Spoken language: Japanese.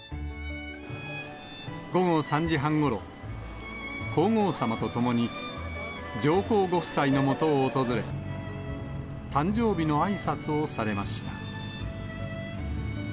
午後３時半ごろ、皇后さまと共に、上皇ご夫妻のもとを訪れ、誕生日のあいさつをされました。